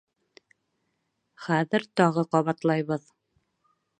Хәҙер тағы ҡабатлайбыҙ.